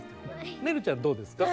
ねるちゃんどうですか？